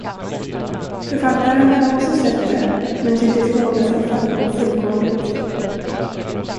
Författaren hade också sett det, men tycktes behålla sin fattning fullkomligt.